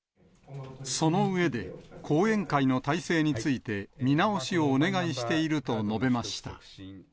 その上で、後援会の体制について、見直しをお願いしていると述べました。